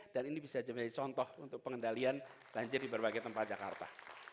dan ini bisa jadi contoh untuk pengendalian banjir di berbagai tempat jakarta